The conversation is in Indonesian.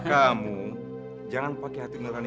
kamu jangan pake hati menerani